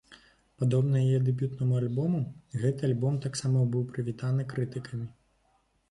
Падобна яе дэбютнаму альбому, гэты альбом таксама быў прывітаны крытыкамі.